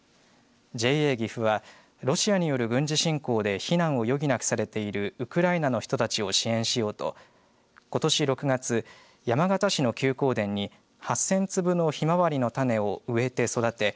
ＪＡぎふはロシアによる軍事侵攻で避難を余儀なくされているウクライナの人たちを支援しようと、ことし６月山県市の休耕田に８０００粒のひまわりの種を植えて育て